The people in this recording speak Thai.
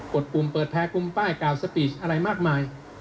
ดปุ่มเปิดแพ้กลุ่มป้ายกล่าวสปีชอะไรมากมาย